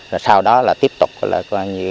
rồi sau đó là tiếp tục là coi như